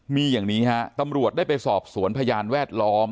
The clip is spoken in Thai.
มีอย่างนี้ฮะตำรวจได้ไปสอบสวนพยานแวดล้อม